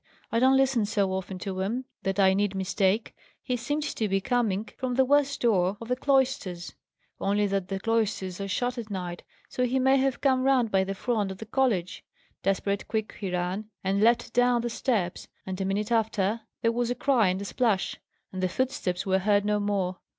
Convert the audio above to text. "I don't listen so often to 'em that I need mistake. He seemed to be coming from the west door o' the cloisters only that the cloisters are shut at night; so he may have come round by the front o' the college. Desperate quick he ran, and leapt down the steps; and, a minute after, there was a cry and a splash, and the footsteps were heard no more.